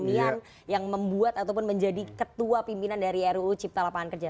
kemudian yang membuat ataupun menjadi ketua pimpinan dari ruu cipta lapangan kerja